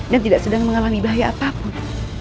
dan tidak sedang mengalami bahaya apapun